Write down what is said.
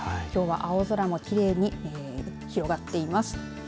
きょうは青空もきれいに広がっています。